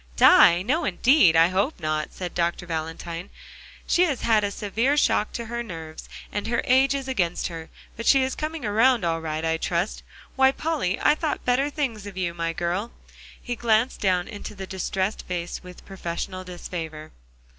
"Die? no indeed, I hope not," said Dr. Valentine. "She has had a severe shock to her nerves and her age is against her, but she is coming around all right, I trust. Why, Polly, I thought better things of you, my girl." He glanced down into the distressed face with professional disfavor.